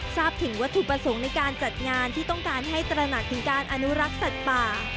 ทราบถึงวัตถุประสงค์ในการจัดงานที่ต้องการให้ตระหนักถึงการอนุรักษ์สัตว์ป่า